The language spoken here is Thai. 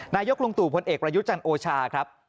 นายกลุงตู่พลเอกประยุจันทร์โอชาครับ